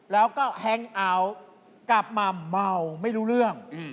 แล้วก็แฮงเอาท์กลับมาเมาไม่รู้เรื่อง